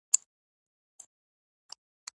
دوی ویل چې هغه به هېڅکله و نه غږېږي